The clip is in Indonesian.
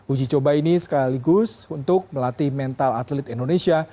uji coba ini sekaligus untuk melatih mental atlet indonesia